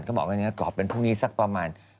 เขาบอกว่าอย่างนี้ก็ออกเป็นพรุ่งนี้สักประมาณ